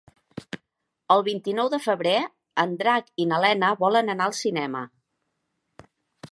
El vint-i-nou de febrer en Drac i na Lena volen anar al cinema.